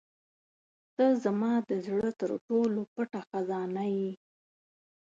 • ته زما د زړه تر ټولو پټه خزانه یې.